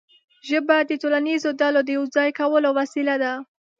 ژبه د ټولنیزو ډلو د یو ځای کولو وسیله ده.